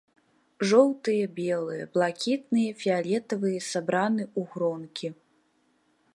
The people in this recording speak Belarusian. Жоўтыя, белыя, блакітныя, фіялетавыя сабраны ў гронкі.